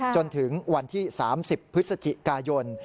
จนถึงวันที่๓๐พฤศจิกายน